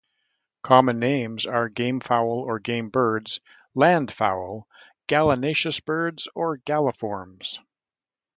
Common names are gamefowl or gamebirds, landfowl, gallinaceous birds, or galliforms.